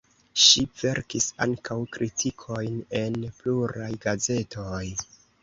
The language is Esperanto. Ŝi verkis ankaŭ kritikojn en pluraj gazetoj.